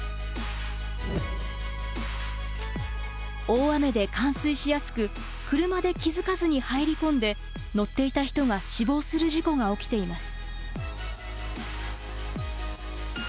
大雨で冠水しやすく車で気付かずに入り込んで乗っていた人が死亡する事故が起きています。